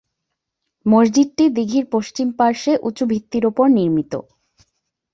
মসজিদটি দিঘীর পশ্চিম পার্শ্বে উঁচু ভিত্তির ওপর নির্মিত।